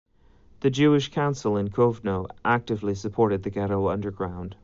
The Jewish council in Kovno actively supported the ghetto underground.